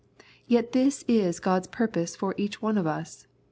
Yet this is God's purpose for each one of us.